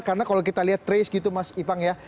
karena kalau kita lihat trace gitu mas ipang ya